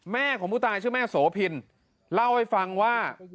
แม่ของผู้ตายชื่อแม่โสพินเล่าให้ฟังว่า